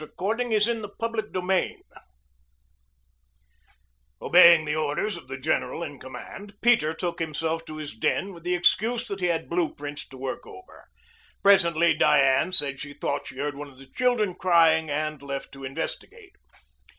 CHAPTER XII SHEBA SAYS "PERHAPS" Obeying the orders of the general in command, Peter took himself to his den with the excuse that he had blue prints to work over. Presently Diane said she thought she heard one of the children crying and left to investigate.